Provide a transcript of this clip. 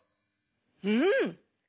うん。